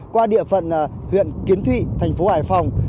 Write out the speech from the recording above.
qua địa phận huyện kiến thụy thành phố hải phòng